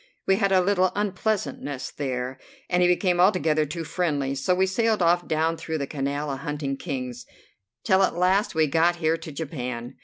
We had a little unpleasantness there, and he became altogether too friendly, so we sailed off down through the Canal a hunting Kings, till at last we got here to Japan.